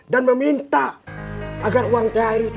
dan meminta agar uang tr itu